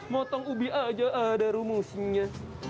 motong ubi aja ada rumusnya